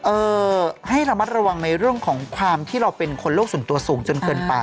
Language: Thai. เอ่อให้ระมัดระวังในเรื่องของความที่เราเป็นคนโลกส่วนตัวสูงจนเกินไป